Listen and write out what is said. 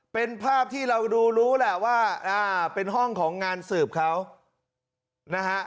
เป็นภาพที่เราดูรู้แหละว่าเป็นห้องของงานสืบเขานะฮะ